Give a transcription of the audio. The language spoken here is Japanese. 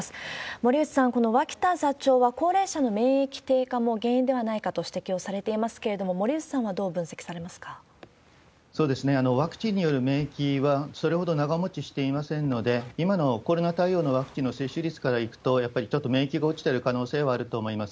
森内さん、この脇田座長は高齢者の免疫低下も原因ではないかと指摘をされていますけれども、ワクチンによる免疫は、それほど長もちしていませんので、今のコロナ対応のワクチンの接種率からいくと、やっぱりちょっと免疫が落ちている可能性はあると思います。